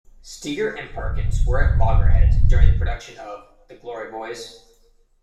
Steiger and Perkins were at loggerheads during the production of "The Glory Boys".